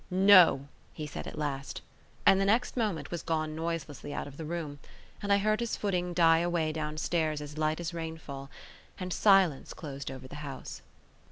"No," he said at last, and the next moment was gone noiselessly out of the room; and I heard his footing die away downstairs as light as rainfall, and silence closed over the house.